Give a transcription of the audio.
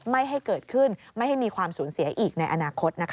ไม่ให้เกิดขึ้นไม่ให้มีความสูญเสียอีกในอนาคต